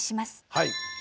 はい。